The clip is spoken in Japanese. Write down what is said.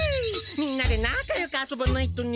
みんなで仲よく遊ばないとね！